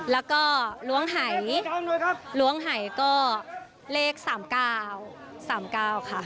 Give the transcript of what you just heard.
แล้วก็ล้วงไหลก็เลข๓๙